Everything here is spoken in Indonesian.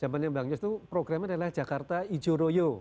zamannya bang yos itu programnya adalah jakarta ijo royo